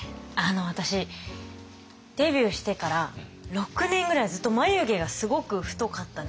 私デビューしてから６年ぐらいずっと眉毛がすごく太かったんですよ。